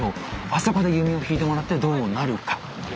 あそこで弓を引いてもらってどうなるか。